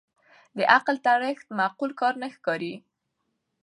د عقل تړښت معقول کار نه ښکاري